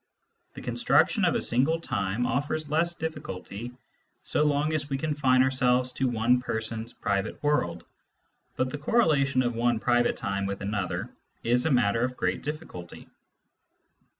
The con struction of a single time offers less difficulty so long as we confine ourselves to one person's private world, but the correlation of one private time with another is a matter of great difficulty.